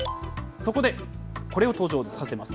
そこで、これを登場させます。